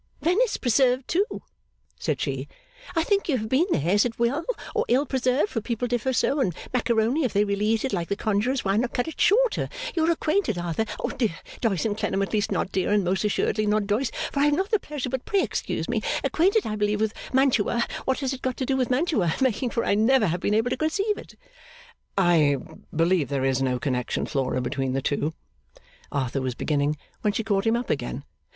'Venice Preserved too,' said she, 'I think you have been there is it well or ill preserved for people differ so and Maccaroni if they really eat it like the conjurors why not cut it shorter, you are acquainted Arthur dear Doyce and Clennam at least not dear and most assuredly not Doyce for I have not the pleasure but pray excuse me acquainted I believe with Mantua what has it got to do with Mantua making for I never have been able to conceive?' 'I believe there is no connection, Flora, between the two,' Arthur was beginning, when she caught him up again.